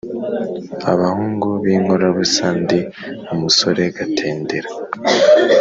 abahungu b’inkorabusa, ndi umusore Gatendera